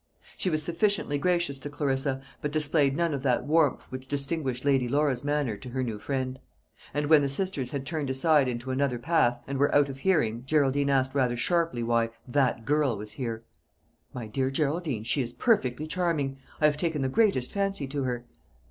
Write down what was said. She was sufficiently gracious to Clarissa, but displayed none of that warmth which distinguished Lady Laura's manner to her new friend; and when the sisters had turned aside into another path, and were out of hearing, Geraldine asked rather sharply why "that girl" was here? "My dear Geraldine, she is perfectly charming. I have taken the greatest fancy to her."